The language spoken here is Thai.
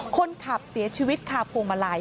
คนขับเสียชีวิตคาพวงมาลัย